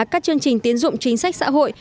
các chương trình tiến dụng chính sách xã hội